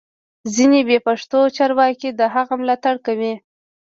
ځینې بې پښتو چارواکي د هغه ملاتړ کوي